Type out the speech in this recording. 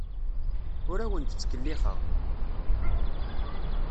Ur awent-ttkellixeɣ.